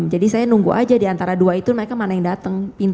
jadi saya nunggu aja diantara dua itu mereka mana yang datang